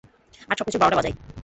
আর সবকিছুর বারোটা বাজায়।